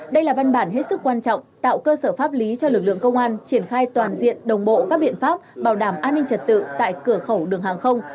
đây là văn bản hết sức quan trọng tạo cơ sở pháp lý cho lực lượng công an triển khai toàn diện đồng bộ các biện pháp bảo đảm an ninh trật tự tại cửa khẩu đường hàng không